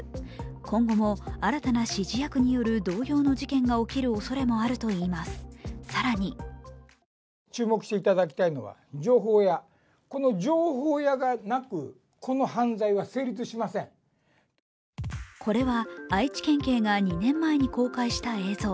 今後も新たな指示役による同様の事件が起きるおそれもあると言います、更にこれは愛知県警が２年前に公開した映像。